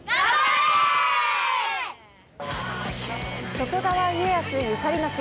徳川家康ゆかりの地